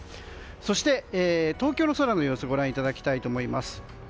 そして、東京の空の様子ご覧いただきたいと思います。